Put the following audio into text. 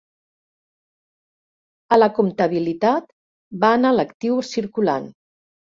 A la comptabilitat van a l'actiu circulant.